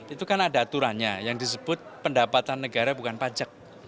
itu kan ada aturannya yang disebut pendapatan negara bukan pajak